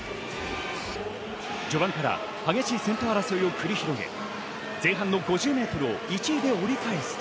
序盤から激しい先頭争いを繰り広げ、前半の５０ｍを１位で折り返すと。